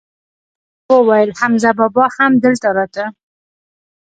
ما ور ته وویل: حمزه بابا هم دلته راته؟